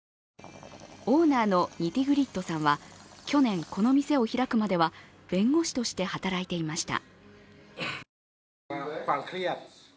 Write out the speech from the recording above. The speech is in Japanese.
オーナーのニティグリットさんは、去年この店を開くまでは弁護士として働いていました。